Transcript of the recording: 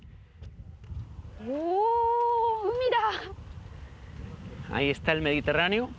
おお海だ。